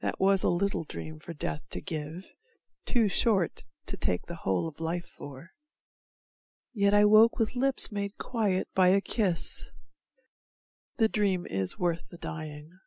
That was a little dream for Death to give, Too short to take the whole of life for, yet I woke with lips made quiet by a kiss. The dream is worth the dying.